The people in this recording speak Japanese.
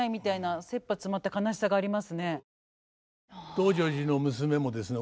「道成寺」の娘もですね